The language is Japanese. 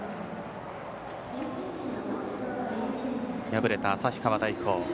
敗れた旭川大高。